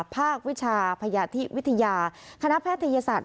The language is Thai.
ภาควิชาพยาธิวิทยาคณะแพทยศาสตร์